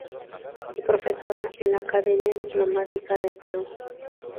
Y profesora en la Academia Diplomática del Perú.